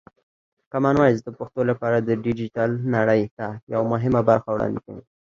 کامن وایس د پښتو لپاره د ډیجیټل نړۍ ته یوه مهمه برخه وړاندې کوي.